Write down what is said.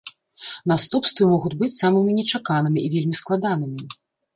Наступствы могуць быць самымі нечаканымі і вельмі складанымі.